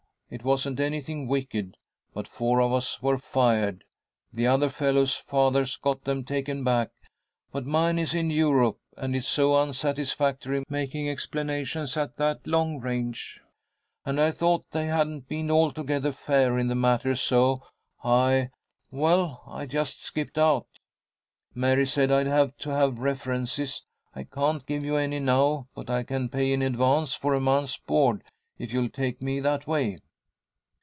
It wasn't anything wicked, but four of us were fired. The other fellows' fathers got them taken back, but mine is in Europe, and it's so unsatisfactory making explanations at that long range, and I thought they hadn't been altogether fair in the matter, so I well, I just skipped out. Mary said I'd have to have references. I can't give you any now, but I can pay in advance for a month's board, if you'll take me that way."